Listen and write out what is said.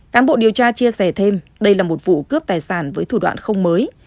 cán bộ điều tra chia sẻ thêm đây là một vụ cướp tài sản với thủ đoạn không mới